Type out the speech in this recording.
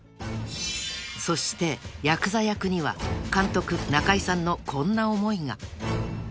［そしてヤクザ役には監督中井さんのこんな思いが］